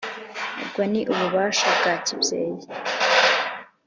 ubwo ni ububasha bwa kibyeyi.